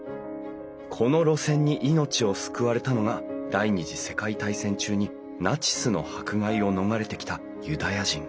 この路線に命を救われたのが第２次世界大戦中にナチスの迫害を逃れてきたユダヤ人。